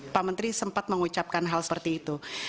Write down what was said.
pak menteri sempat mengucapkan hal seperti itu